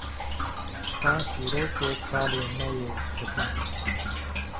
Ka çîrokê kalê me yê qedîm?